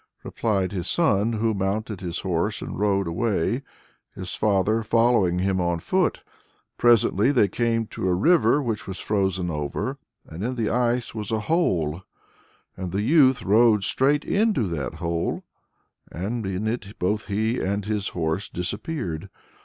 replied his son, who mounted his horse and rode away, his father following him on foot. Presently they came to a river which was frozen over, and in the ice was a hole. And the youth rode straight into that hole, and in it both he and his horse disappeared.